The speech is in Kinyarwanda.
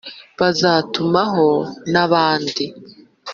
bazatumaho n’abandi